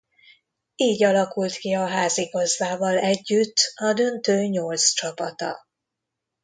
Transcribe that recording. Így alakult ki a házigazdával együtt a döntő nyolc csapata.